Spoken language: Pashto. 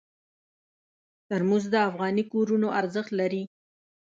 ترموز د افغاني کورونو ارزښت لري.